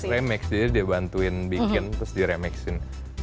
jadi dia bantuin bikin terus di remixin